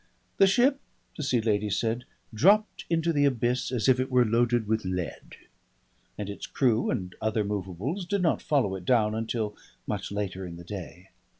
The ship, the Sea Lady said, dropped into the abyss as if it were loaded with lead, and its crew and other movables did not follow it down until much later in the day.